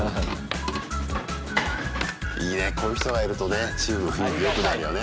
いいねこういう人がいるとねチームの雰囲気よくなるよね。